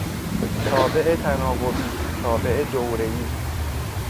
تابع تناوبی، تابع دورهای